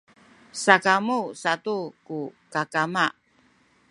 sakamu satu ku kakama